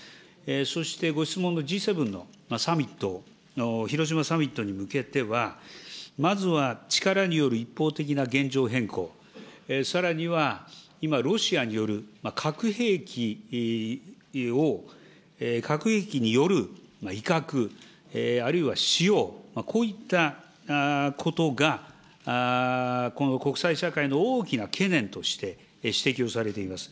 そしてご質問のＧ７のサミットの広島サミットに向けては、まずは力による一方的な現状変更、さらには、今、ロシアによる核兵器を、核兵器による威嚇、あるいは使用、こういったことがこの国際社会の大きな懸念として、指摘をされています。